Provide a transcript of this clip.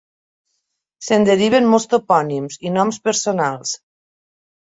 Se'n deriven molts topònims i noms personals.